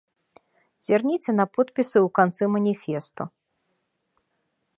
Зірніце на подпісы ў канцы маніфесту.